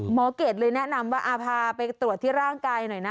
เกรดเลยแนะนำว่าพาไปตรวจที่ร่างกายหน่อยนะ